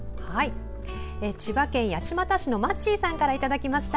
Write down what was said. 千葉県八街市のマッチーさんからいただきました。